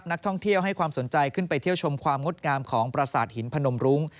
นักท่องเที่ยวให้ความสนใจขึ้นไปเที่ยวชมความงดงามของประสาทหินพนมรุ้ง